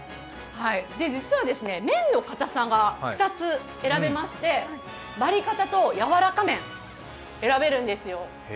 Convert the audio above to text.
実は麺の固さが２つ選べましてバリかたと、やわらか麺、選べるんですよ。